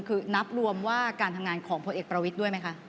คือนับรวมว่าการทำงานของพลเอกประวิทย์ด้วยไหมคะ